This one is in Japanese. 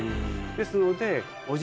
ですので。